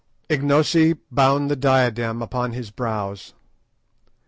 Ignosi bound the diadem upon his brows.